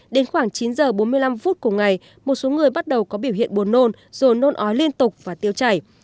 đến khoảng chín giờ bốn mươi năm phút cùng ngày một số người bắt đầu có biểu hiện buồn nôn rồi nôn ói liên tục và tiêu chảy